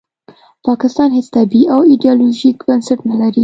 پاکستان هیڅ طبیعي او ایډیالوژیک بنسټ نلري